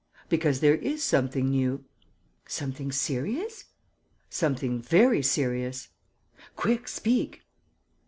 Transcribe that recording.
"Because there is something new." "Something serious?" "Something very serious." "Quick, speak."